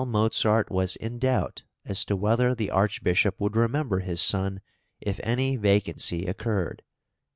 Mozart was in doubt as to whether the Archbishop would remember his son if any vacancy occurred (p.